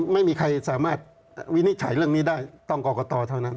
ไม่มีใครสามารถวินิจฉัยเรื่องนี้ได้ต้องกรกตเท่านั้น